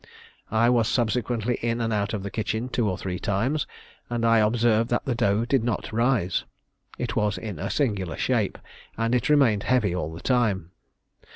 I was subsequently in and out of the kitchen two or three times, and I observed that the dough did not rise. It was in a singular shape; and it remained heavy all the time.